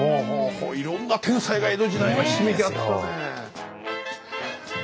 いろんな天才が江戸時代はひしめき合ったんだね。